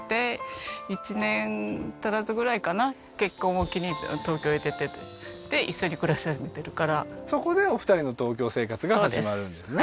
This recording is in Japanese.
結婚を機に東京へ出てで一緒に暮らし始めてるからそこでお二人の東京生活が始まるんですね